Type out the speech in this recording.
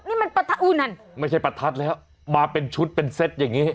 นี่มันปรรัดถัดโอนั่นไม่ใช่ปรารถรรดิ์แล้วมาเป็นชุดเป็นเซ็ตอย่างงี้